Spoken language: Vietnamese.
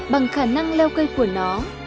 bằng khả năng leo cây của nó